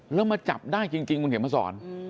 แล้วมาจับได้จริงคุณเขียนมาสอน